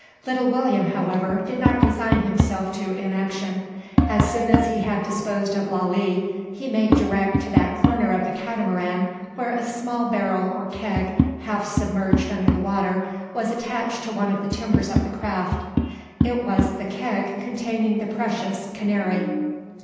Little William, however, did not resign himself to inaction. As soon as he had disposed of Lalee, he made direct to that corner of the Catamaran where a small barrel or keg, half submerged under the water, was attached to one of the timbers of the craft. It was the keg containing the precious "Canary."